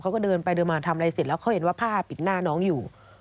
เขาก็เดินไปเดินมาทำอะไรเสร็จแล้วเขาเห็นว่าผ้าปิดหน้าน้องอยู่